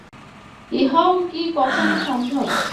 ইহাও কি কখনো সম্ভব।